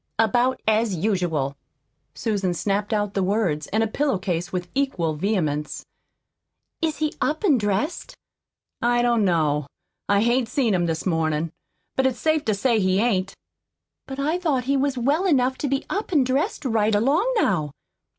"About as usual." Susan snapped out the words and a pillow case with equal vehemence. "Is he up an' dressed?" "I don't know. I hain't seen him this mornin' but it's safe to say he ain't." "But I thought he was well enough to be up an' dressed right along now."